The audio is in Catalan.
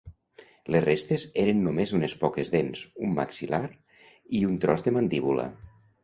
Les restes eren només unes poques dents, un maxil·lar i un tros de mandíbula.